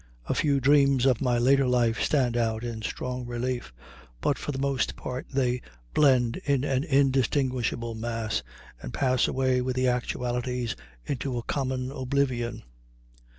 A few dreams of my later life stand out in strong relief, but for the most part they blend in an indistinguishable mass, and pass away with the actualities into a common oblivion.